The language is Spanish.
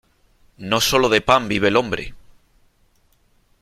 No solo de pan vive el hombre.